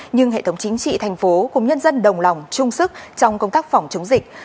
nhưng hệ thống chính trị thành phố cùng nhân dân đồng lòng chung sức trong công tác phòng chống dịch